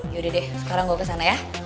yaudah deh sekarang gue kesana ya